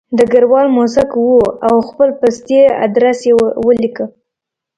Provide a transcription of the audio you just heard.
ډګروال موسک و او خپل پستي ادرس یې ولیکه